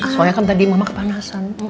soalnya kan tadi mama kepanasan